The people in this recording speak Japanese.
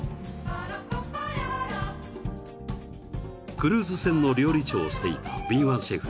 ［クルーズ船の料理長をしていた敏腕シェフクライブが